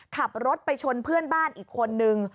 ขับรถไปชนเพื่อนบ้านอีกคนนึง